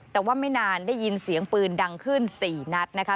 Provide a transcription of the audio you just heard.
แต่ว่าไม่นานได้ยินเสียงปืนดังขึ้น๔นัดนะคะ